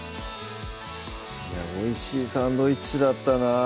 おいしいサンドイッチだったなぁ